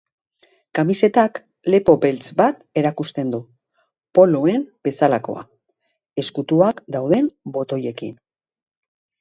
Kamisetak lepo beltz bat erakusten du, poloen bezalakoa, ezkutuak dauden botoiekin.